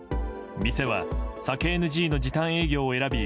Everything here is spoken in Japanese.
店は、酒ＮＧの時短営業を選び